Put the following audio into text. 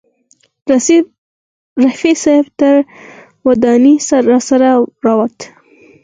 رفیع صاحب تر ودانۍ راسره راوووت.